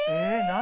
何？